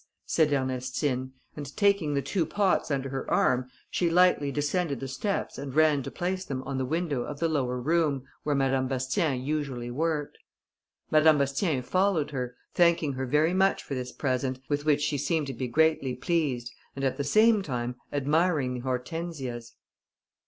said Ernestine, and taking the two pots under her arm she lightly descended the steps and ran to place them on the window of the lower room, where Madame Bastien usually worked. Madame Bastien followed her, thanking her very much for this present, with which she seemed to be greatly pleased, and at the same time admiring the hortensias.